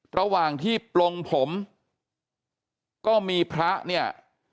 ระหว่างที่ปลงผมก็มีพระเนี่ย